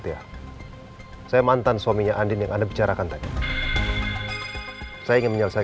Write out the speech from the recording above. istrinya bikin darah tinggi tau gak